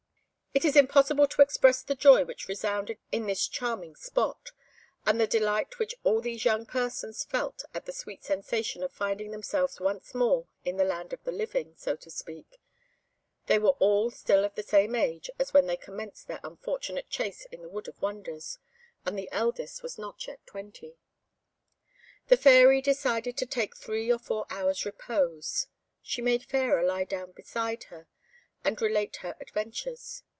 It is impossible to express the joy which resounded in this charming spot, and the delight which all these young persons felt at the sweet sensation of finding themselves once more in the land of the living, so to speak they were all still of the same age as when they commenced their unfortunate chase in the Wood of Wonders, and the eldest was not yet twenty. The Fairy desired to take three or four hours' repose. She made Fairer lie down beside her, and relate her adventures.